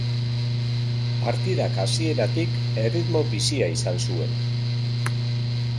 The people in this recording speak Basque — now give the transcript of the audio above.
Partidak hasieratik erritmo bizia izan zuen.